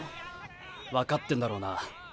分かってんだろうな。